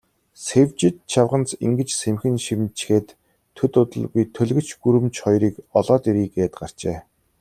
Сэвжид чавганц ингэж сэмхэн шивнэчхээд, төд удалгүй төлгөч гүрэмч хоёрыг олоод ирье гээд гарчээ.